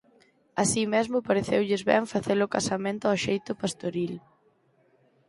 Así mesmo pareceulles ben face-lo casamento ó xeito pastoril.